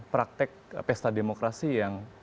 praktek pesta demokrasi yang